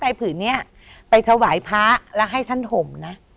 ถ้าตายผื่อนี้ไปสวายพระและให้ท่านห่มนะ